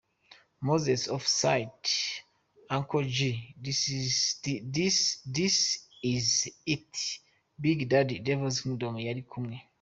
Moses, Offside, Uncle jj,This is it, Big daddy, Devil kingdom yari kumwe.